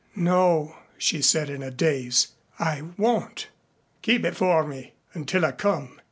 "No," she said in a daze, "I won't." "Keep it for me, until I come.